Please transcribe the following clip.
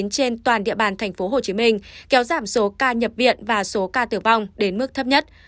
trên toàn địa bàn tp hcm kéo giảm số ca nhập viện và số ca tử vong đến mức thấp nhất